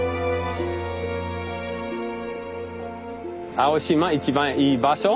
青島一番いい場所。